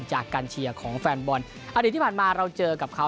จากการเชียร์ของแฟนบอลอดีตที่ผ่านมาเราเจอกับเขา